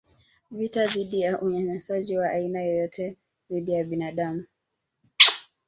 vita dhidi ya unyanyasaji wa aina yoyote dhidi ya binadamu